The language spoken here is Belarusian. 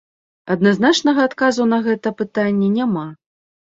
Адназначнага адказу на гэта пытанне няма.